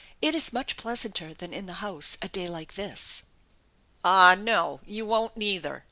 It is much pleasantei than in the house a day like this." "Aw no! You won't neither!